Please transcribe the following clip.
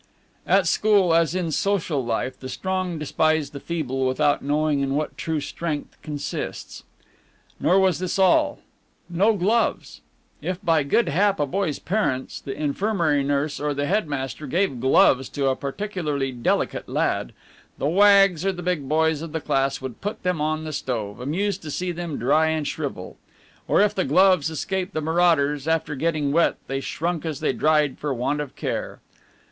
At school, as in social life, the strong despise the feeble without knowing in what true strength consists. Nor was this all. No gloves. If by good hap a boy's parents, the infirmary nurse, or the headmaster gave gloves to a particularly delicate lad, the wags or the big boys of the class would put them on the stove, amused to see them dry and shrivel; or if the gloves escaped the marauders, after getting wet they shrunk as they dried for want of care.